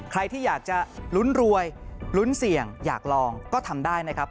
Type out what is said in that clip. ใครที่อยากจะลุ้นรวยลุ้นเสี่ยงอยากลองก็ทำได้นะครับ